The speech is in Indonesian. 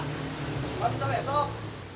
gak bisa besok